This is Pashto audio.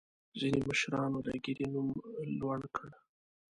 ځینې مشرانو د ګیرې نوم لوړ کړ.